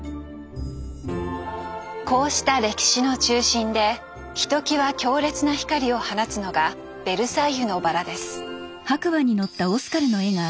こうした歴史の中心でひときわ強烈な光を放つのが「ベルサイユのばら」です。